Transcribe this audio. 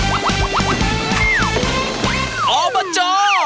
โอปเจอร์ภาษาโดรกิจ